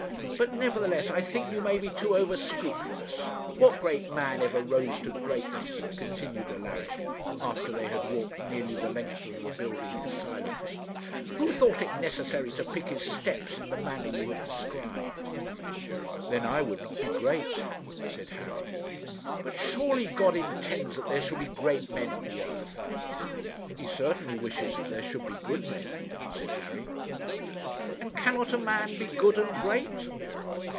But, nevertheless, I think you may be too over scrupulous. What great man ever rose to greatness,' continued Alaric, after they had walked nearly the length of the building in silence, 'who thought it necessary to pick his steps in the manner you have described?' 'Then I would not be great,' said Harry. 'But, surely, God intends that there shall be great men on the earth?' 'He certainly wishes that there should be good men,' said Harry. 'And cannot a man be good and great?'